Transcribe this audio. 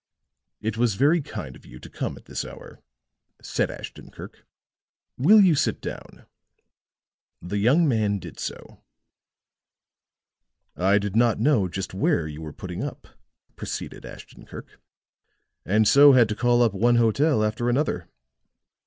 "It was very kind of you to come at this hour," said Ashton Kirk. "Will you sit down?" The young man did so. "I did not know just where you were putting up," proceeded Ashton Kirk, "and so had to call up one hotel after another."